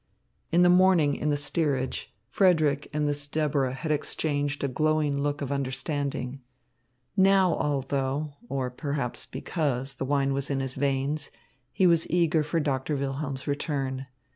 In the morning in the steerage, Frederick and this Deborah had exchanged a glowing look of understanding. Now, although, or perhaps because, the wine was in his veins, he was eager for Doctor Wilhelm's return.